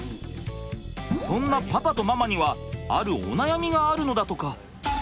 そんなパパとママにはあるお悩みがあるのだとか。